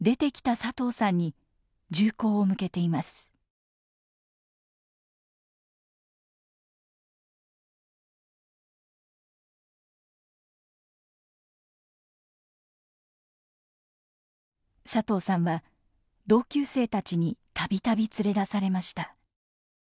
佐藤さんは同級生たちに度々連れ出されました。